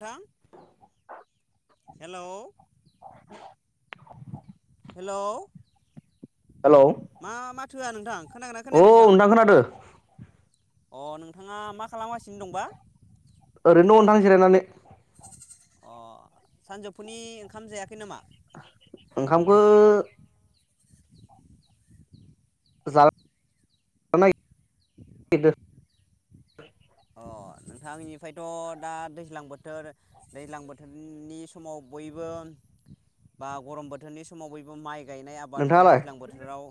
[unintelligible] हेल' [inaudible] हेल' hello मा मा मा होआ नोंथां खोनागोना औ खोनायाखै नोंथां खोनादों अ नोंथाङा मा खालामगासिनो दंबा ओरैनो दं नोंथां जिरायनानै अ सानजौफुनि ओंखाम जायाखै नामा ओंखामखौ [unintelligible] नागिरदो [inaudible] अ नोंथांनिफ्रायथ' दा दैज्लां बोथोर दैज्लां बोथोरनि समाव बयबो बा गरम बोथोरनि समाव बयबो माइ गायनाय आबाद बा नोंथाङालाय दैज्लां बोथोराव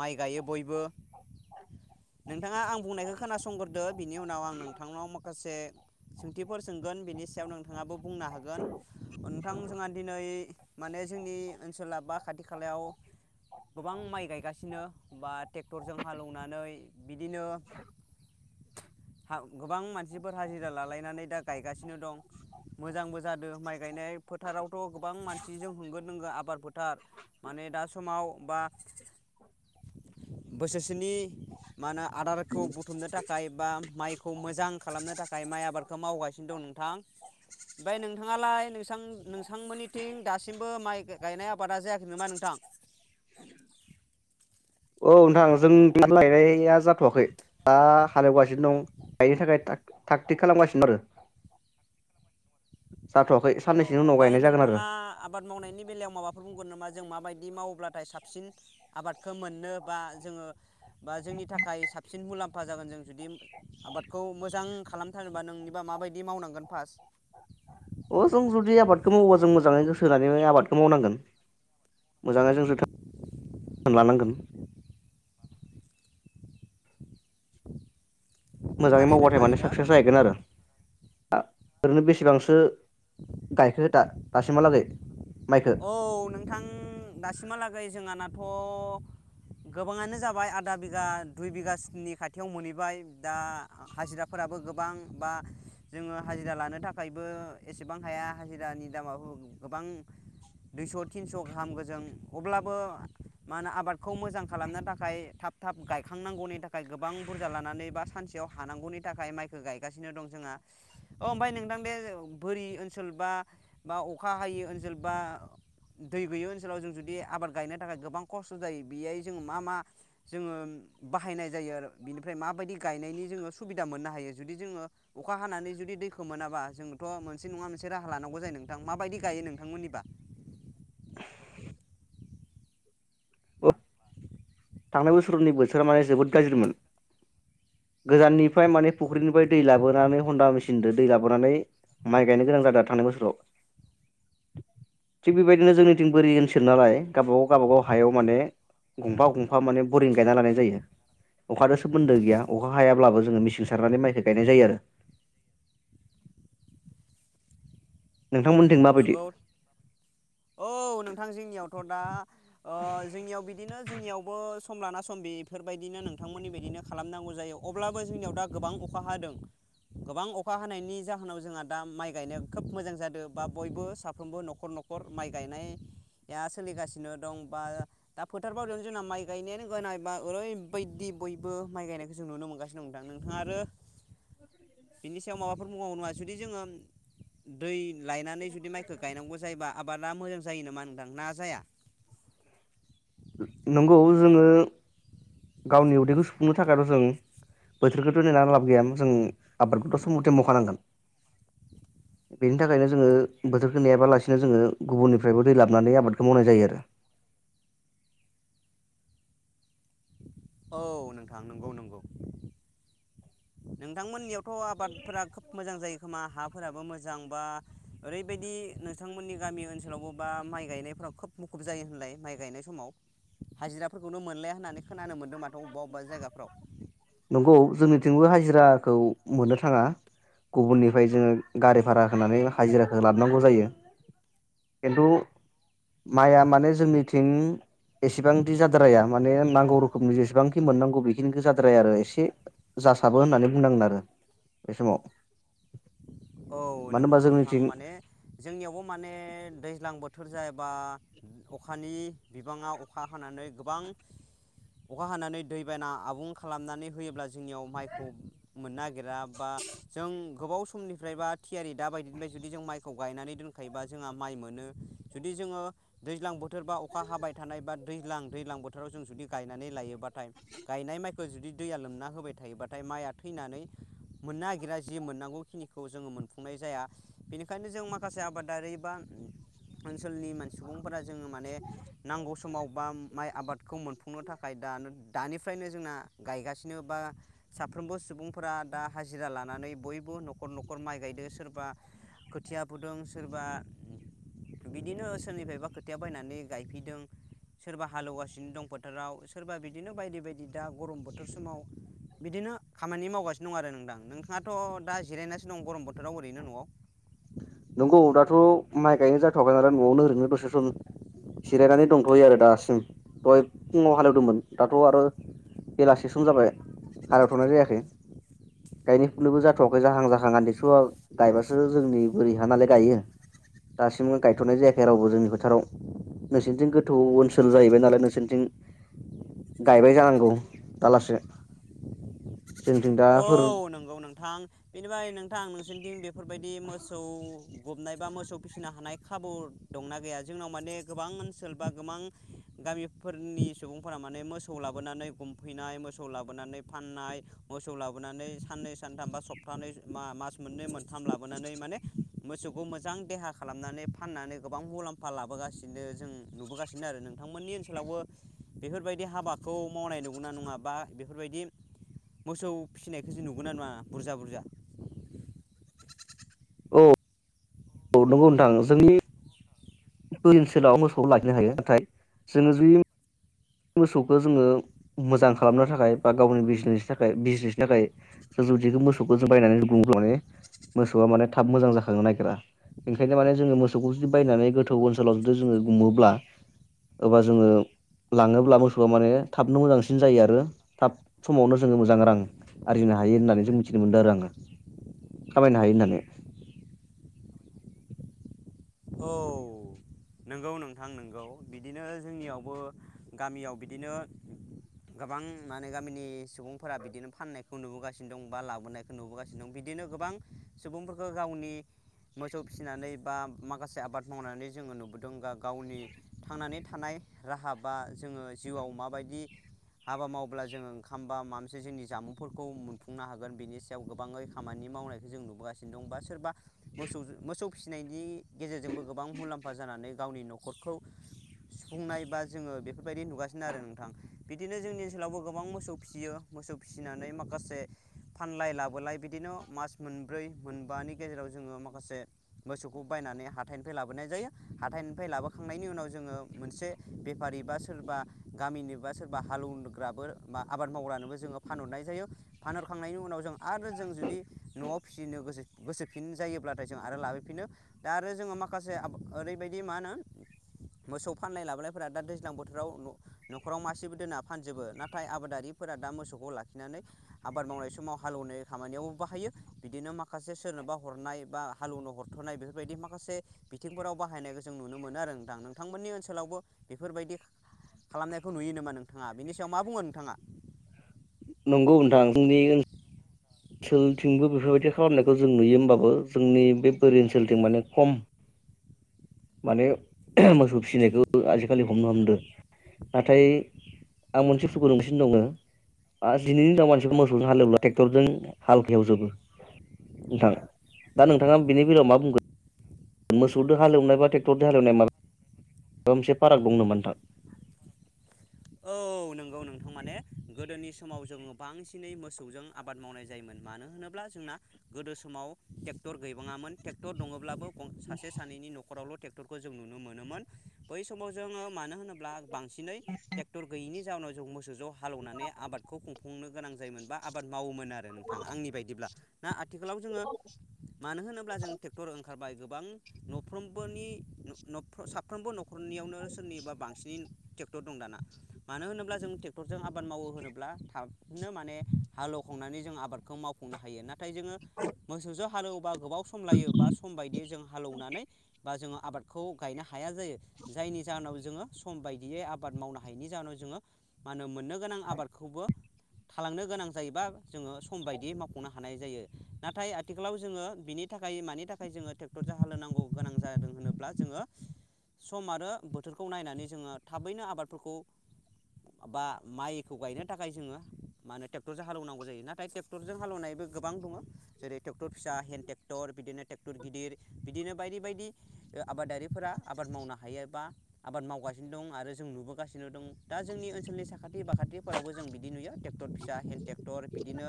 माइ गायो बयबो नोंथाङा आं बुंनायखौ खोनासंग्रोदो। बिनि उनाव आं नोंथांनाव माखासे सोंथिफोर सोंगोन बेनि सायाव नोंथाङाबो बुंनो हागोन नोंथां जोंहा दिनै माने जोंनि ओनसोला बा खाथि खालायाव गोबां माइ गायगासिनो बा ट्रेक्टरजों हालौवनानै बिदिनो गोबां मानसिफोर हाजिरा लालायनानै दा गायगासिनो दं। मोजांबो जादों माइ गायनाय फोथारावथ गोबां मान सिजों होंगो दोंगो आबाद फोथार माने दा समाव बा बोसोरसेनि मा होनो आदारखौ बुथुमनो थाख बा माइखौ मोजां खालामनो थाखाय माइ आबादखौ मावगासिनो दं नोंथां। ओमफ्राय नोंथाङालाय नोंसां नोंसांमोननिथिं दासिमबो माइ गायनाय आबादा जायाखै नामा नोंथां? औ नोंथां जोंथिं माइ गायनाया जाथवाखै दा हालेवगासिनो दं गायनो थाखाय थाग थिग खालामगासिनो दं आरो। जाथ'वाखै अ साननैसोनि उनाव ओमफ्राय गायनाय जागोन आरो नोंथाङा आबाद मावनायनि बेलायाव माबाफोर बुंगोन नामा? जों माबायदि मावोब्लाथाय साबसिन आबादखौ मोननो बा जोङो बा जोंनि थाखाय साब सिन मुलाम्फा जागोन जों जुदि आबादखौ मोजां खालामथारोबा नोंनिबा माबायदि मावनांगोन फार्स्ट अ जों जुदि आबादखौ मावोबा जों मोजाङै गोसो होनानै आबादखौ मावनांगोन मोजाङै जों जोथोन लानांगोन। मोजाङै थारैनो मावबाथाय माने थारैनो साकसेस जाहैगोन आरो। ओरैनो बेसेबांसो गायखो दा? दासिम हालागै। औ नोंथां दासिमहालागै जोंहाना थ गोबाङानो जाबाय आदा बिगा दुइ बिगासिनि खाथियाव मोनहैबाय दा हाजिराफोराबो गोबां बा जोङो हाजिरा लानो थाखायबो एसेबां हाया हाजिरानि दामाबो गोबां दुइस थिनस गाहाम गोजों अब्लाबो मा होनो आबादखौ मोजां खालामनो थाखाय थाब थाब गायखांनांगौनि थाखाय गोबां बुरजा लानानै बा सानसेयाव हानांगौनि थाखाय माइखौ गायगासिनो दं जोंहा अ ओमफ्राय नोंथां बे बोरि ओनसोल बा बा अखा हायि ओनसोल बा दै गैयि ओनसोलाव जों जुदि आबाद गायनो थाखाय गोबां खस्थ जायो बेयाय जोंङो मा मा जोङो बाहायनाय जायो आरो बिनिफ्राय माबायदि गायनायनि जोङो सुबिदा मोननो हायो जुदि जोङो अखा हानानै जुदि दैखौ मोनाबा जोंथ मोनसे नङा मोनसे राहा लानांगौ जायो नोंथां माबायदि गायो नोंथां मोननिबा थांनाय बोसोरनि बोथोरा माने जोबोद गाज्रिमोन गोजाननिफ्राय माने फुख्रिनिफ्राय दै लाबोनानै हन्दा मेचिनजों दै लाबोनानै माइ गायनो गोनां जादों थांनाय बोसोराव थिग बेबायदिनो जोंनिथिं बोरि ओनसोल नालाय गावबागाव गावबाागाव हायाव माने गंफा गं फा बरिं गायना लानाय जायो अखानो सोमोन्दो गैया। अखा हायाब्लाबो जोङो मिेसिं सारनानै माइखौ गायनाय जायो आरो। नोंथांमोनथिं माबायदि नोंगौ औ नोंथां जोंनियावथ दा जोंनियाव बिदिनो जोंनियावबो सम लाना सम बेफोर बायदिनो नोंथांमोननि बिदिनो खालामनांगौ जायो। अब्लाबो जोंनियाव दा गोबां अखा हादों गोबां अखा हानायनि जाहोनाव जोंहा दा माइ गायनो खोब मोजां जादों। बा बयबो साफ्रोमबो नखर नखर माइ गायनाया सोलिगासिनो दं बा दा फोथार बारियावनो जोंना माइ गायनायानो गोयनाय बा ओरैबायदि बयबो माइ गायनायखौ जों नुनो मोनगासिनो दं नोंथां नोंथाङा आरो बिनि सायाव माबाफोर बुंबावगोन नामा जुदि जोङो दै लायनानै जुदि माइखौ गायनांगौ जायोबा आबादा मोजां जायो नामा नोंथां ना जाया? नंगौ जोङो गावनि उदैखौ सुफुंनो थाखायथ जों बोथोरखौथ नेना लाब गैया जों आबादखौथ सम मथे मावखानांगोन बेनि थाखायनो जोङो बोथोरखौ नेनाययाबालासिनो जोङो गुबुननिफ्रायबो दै लाबोनानै आबादखौ मावनाय जायो आरो। औ नोंथां नंगौ नंगौ नोंथांमोननियाव आबादफोरा खोब मोजां जायो खोमा हाफोराबो मोजां बा ओरैबायदि नोंथांमोननि गामि ओनसोलावबो बा माइ गायनायफोराव खोब मुखुब जायो होनलाय माइ गायनाय समाव हाजिराफोरखौनो मोनलाया होननानै खोनानो मोनदों माथो' अबेबा अबेबा जायगाफ्राव थिंबो हाजिराखौ मोननो थाङा गुबुननिफ्राय जोङो गारि भारा होनानै हाजिराखौ लाबोनांगौ जायो खिन्थु माइआ माने जोंनिथिं एसेबांदि जाद्राया माने नांगौ रोखोमनि जेसेब बांखि मोननांगौ बेखिनिखौ जाद्राया आरो एसे जासाबो होननानै बुंनांगोन आरो बे समाव औ मानो नंगौ होनबा नोंथां जोंनिथिं माने जोंनियावबो माने दैज्लां बोथोर बोथोर जायाबा अखानि बिबाङा अखा हानानै गोबां अखा हानानै दै बाना आबुं खालामनानै होयोब्ला जोंनियाव माइखौ मोननो नागिरा बा जों गोबाव समनि फ्रायबा थियारि दा बायदिनिफ्राय जुदि जों माइखौ गायनानै दोनखायोबा जोंहा माइ मोनो जुदि जोङो दैज्लां बोथोर बा अखा हाबाय थानाय बा दैज्लां दैज्लां बोथोराव जों जुदि गायनानै लायोबाथाय गायनाय माइखौ जुदि दैया लोमना होबाय थायोबाथाय माइआ थैनानै मोननो नागिरा जि मोननांगौखिनि खौ जोङो मोनफुंनाय जाया बेनिखायनो जों माखासे आबादारि बा ओनसोलनि मान सुबुंफोरा जोङो माने नांगौ समाव बा माइ आबादखौ मोनफुंनो थाखाय दानिफ्रायनो जोंना गायगासिनो बा साफ्रोमबो सुबुंफोरा दा हाजिरा लानानै बयबो न'खर न'खर माइ गायदों सोरबा खोथिया फुदों सोरबा बिदिनो सोरनिफ्रायबा खोथिया बायनानै गायफैदों सोरबा हालेवगासिनो दं फोथाराव सोरबा बिदिनो बायदि बायदि दा गरम बोथोर समाव बिदिनो खामानि मावगासिनो दं आरो नोंथां नोंथाङाथ' दा जिरायनासो दं गरम बोथोराव ओरैनो न'आव नंगौ दाथ' माइ गायनाय जाथ'वाखै नालाय न'आवनो ओरैनो दसे सम जिरायनानै दंथ'यो आरो दासिम दहाय फुङाव हालेवदोंमोन दाथ' आरो बेलासि सम जाबाय हालेवथ'नाय जायाखै गायनो फुनोबो जाथ'वाखै जाहां जाहां आमथिसुआ बायबासो जोंनि बोरिहा नालाय गायो दासिमबो गायथ'नाय जायाखै रावबो जोंनि फोथाराव नोंसोरनिथिं गोथौ ओनसोल जाहैबाय नालाय नोंसोरनिथिं गायबाय जानांगौ दालासे औ नंगौ नोंथां बेनिफ्राय नोंथां नोंसोरनिथिं बे बेफोरबायदि मोसौ गबनाय बा मोसौ फिसिनो हानाय खाबु दंना गैया जोंनाव माने गोबां ओनसोल बा गोबां गामि फोरनि सुबुंफोरा माने मोसौ लाबोनानै गुमफैनाय मोसौ लाबोनानै फाननाय मोसौ लाबोनानै साननै सानथाम बा सप्तानै मास मोननै मोनथाम लाबोनानै माने मोसौखौ मोजां देहा खालामनानै फाननानै गोबां मुलाम्फा लाबोगासिनो जों नुबोगासिनो आरो नोंथांमोननि ओनसोलावबो बेफोरबायदि हाबाखौ मावनाय नुगौना नङा बा बेफोरबायदि मोसौ फिसिनायखौ जों नुगोन नङा बुरजा बुरजा औ औ नंगौ नोंथां जोंनि ओनसोलाव मोसौखौ लाखिनो हायो नाथाय जोङो जुदि मोसौखौ जोङो मोजां खालामनो थाखाय बा गावनि बिजनेसनि थाखाय बिजनेसनि थाखाय जों जुदि मोसौखौ जों बायनानै बुङोब्ला माने मोसौआ माने थाब मोजां जाखांनो नागिरा ओंखायनो माने जोङो मोसौखौ जुदि बायनानै गोथौ ओनसोलाव जुदि जोङो गुमोब्ला एबा जोङो लाङोब्ला मोसौआ माने थाबनो मोजांसिन जायो आरो थाब समावनो जोङो मोजां रां आरजिनो हायो होननानै जों मिथिनो मोन्दों आरो आङो खामायनो हायो होननानै औ नंगौ नोंथां नोंगौ बिदिनो जोंनियावबो गामियाव बिदिनो गोबां माने गामिनि सुबुंफोरा बिदिनो फाननायखौ नुबोगासिनो दं बा लाबोनायखौ नुबोगासिनो दं बिदिनो गोबां सुबुंफोरखौ गावनि मोसौ फिसिनानै बा माखासे आबाद मावनानै जोङो नुबोदों बा गावनि थांनानै थानाय राहा बा जोङो जिउआव माबायदि हाबा मावब्ला जोङो ओंखामबा माबा मोनसे जोंनि जामुंफोरखौ मोनफुंनो हागोन बेनि सायाव गोबाङै खामानि मावनायखौ जों नुबोगासिनो दं बा सोरबा मोसौ मोसौ फिसिनायनि गेजेरजोंबो गोबां मुलाम्फा जानानै गावनि न'खर नखरखौ सुफुंनाय बा जोङो बेफोरबायदि नुगासिनो आरो नोंथां बिदिनो जोंनि ओनसोलावबो गोबां मोसौ फिसियो मोसौ फिसिनानै माखासे फानलाय लाबोलाय बिदिनो मास मोनब्रै मोनबानि गेजेराव जोङो माखासे मोसौखौ बायनानै हाथाइनिफ्राय लाबोनाय जायो हाथाइनिफ्राय लाबोखांनायनि उनाव जोङो मोनसे बेफारि बा सोरबा गामिनि बा सोरबा हालौवग्राबो बा आबाद मावग्रानोबो जोङो फानहरनाय जायो फानहरखांनायनि उनाव जों आरो जों जुदि न'आव फिसिनो गोसो गोसोफिन जायोब्लाथाय जों आरो लाबोफिनो दा आरो जोङो माखासे ओरैबायदि मा होनो मोसौ फानलनाय लाबोनायफोरा दा दैज्लां बोथोराव न'खराव मासेबो दोना फानजोबो नाथाय आबादारिफोरा दा मोसौखौ लाखिनानै आबाद मावनाय समाव हालौनाय खामानियाव बाहायो बिदिनो माखासे सोरनोबा हरनाय बा हालौनो हरथ'नाय बेफोर बेफोरबायदि मासे बिथिंफोराव बाहायनायखौ जों नुनो मोनो आरो नोंथां नोंथांमोननि ओनसोलावबो बेफोरबायदि खालामनायखौ नुयो नामा नोंथाङा बेनि सायाव मा बुङो नोंथाङा नंगौ नोंथां जोंनिजों ओनसोलथिंबो बेफोरबायदि खालामनायखौ जों नुयो होमबाबो जोंनि बे बोरि ओनसोलथिं माने खम माने मोसौ फिसिनायखौ आजिखालि हमनो हमदों नाथाय आं मोनसे फुखु नोंसिनो दङ आरो दिनैनिनाव मानसिखौ मोसौजों हालेवला ट्रेक्टरजों हालथायावजोबो नोंथाङा दा नोंथाङा बेनि बेलायाव मा बुंगोन मोसौजों हालेवनायबा ट्रेक्टरजों हालेवनाय माबा मोनसे फाराग दं नामा नोंथां औ नंगौ नोंथां माने गोदोनि समाव जोङो बांसिनै मोसौजों आबाद मावनाय जायोमोन मानो होनोब्ला जोंना गोदो समाव ट्रेक्टर गैबाङामोन ट्रेक्टर दङब्लाबो गं सासे सानैनि न'रावल' टेक खौ जों नुनो मोनोमोन बै समाव जोङो मानो होनोब्ला बांसिन ट्रेकटर गैयनि जावुनाव। जों मोसौजों हालेवनानै आबादखौ खौ खुंनो गोनां जायोमोन बा आबाद मावोमोन। मोन आरो नोंथाङा आंनि बायदिब्ला ना आथिखालाव जोङो मानो होनोब्ला जों ट्रेक्टर ओंखारबाय गोबां गोबां नफ्रोमबोनि न साफ्रोमबो न'खरनियावनो सोरनि बा बांसिन ट दं दाना मानो होनोब्ला जों ट्रेक्टरजों आबाद मावो होनोब्ला थाबनो माने हालौखांनानै जों आबादखौ मावफुंनो हायो ना? नाथाय जोङो मोसौ जो हालौ बा गोबाव सम लायो बा सम बायदियै जों हालौनानै बा जोङो आबादखौ गायनो हायो। हाया जायो जायनि जाहोनाव जोङो सम बायदियै आबाद मावना हायैनि जाहोनाव जोङो मा होनो मोननो गोनां आबादखौबो थालांनो गोनां जायोबा जोङो सम बायदियै मावफुंनो हानाय जायो नाथाय आथिखालाव जोङो बिनि थाखाय मानि थाखाय जोङो ट्रेक्टर ज हालौनांगौ गोनां जादों होनोब्ला जोङो सम आरो बोथोरखौ नायनानै जोङो थाबैनो आबाद फोरखौ बा माइखौ गायनो थाखाय जोङो मा होनो ट्रेक्टरजों हालेवनांगौ जायो नाथाय ट्रेक्टरजों हालेवनायबो गोबां दङ जेरै ट्रेक्टर फिसा हेन्दड ट्रेक्टर बिदिनो ट्रेक्टर गिदिर बिदिनो बायदि बायदि आबादारि फोरा आबाद मावनो हायोबा आबाद मावगासिनो दं आरो जों नुबो गासिनो दं दा जोंनि ओनसोलनि साखाथि बाखाथिफोरावबो जों बिदि नुयो ट्रेक्टर फिसा हेल ट्रेक्टर बिदिनो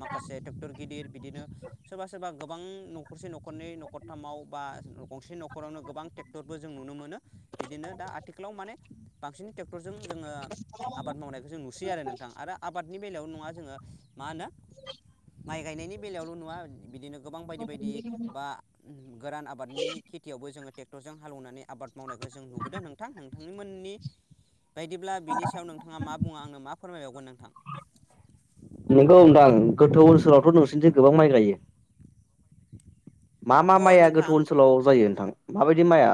माखासे ट्रेक्टर गिदिर बिदिनो सोरबा सोरबा गोबां न'खरसे न'खरनै न'खरथामाव बा गंसे न'खरावनो गोबां ट्रेक्टरबो जों नुनो मोनो बिदिनो दा आथिखालाव माने बांसिन ट्रेक्टरजों जोङो आबाद मावनायखौ जों नुसैयो आरो नोंथां आरो आबादनि बेलायाव नङा जोङो मा होनो माइ गायनायनि बेलायावल' नङा बिदिनो गोबां बायदि बायदि बा गोरान आबादनि खेथियावबो जोङो ट्रेक्टरजों हालेवनानै आबाद मावनायखौ जों नुबोदों नोंथां नोंथांनिमोननि बायदिब्ला बिनि सायाव नोंथाङा मा बुङो आंनो मा फोरमायबावगोन नोंथां। नोंगौ नोंथां गोथौ ओनसोलावथ' नोंसोरथिं गोबां माइ गायो। मा मा अ माइया नोंथां गोथौ ओनसोलाव जायो नोंथां माबायदि माइआ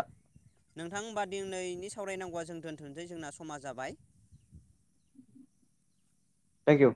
नोंथां होनबा दिनैनि सावरायनांगौआ जों दोन्थ'सै जोंना समा जाबाय। Thank you